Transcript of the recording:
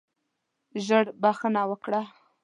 ژر بخښنه وکړه.